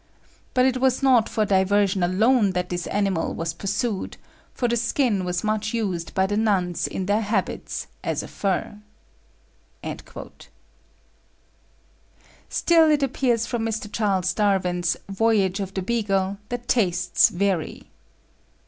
But it was not for diversion alone that this animal was pursued; for the skin was much used by the nuns in their habits, as a fur." Still it appears from Mr. Charles Darwin's "Voyage of the Beagle," that tastes vary.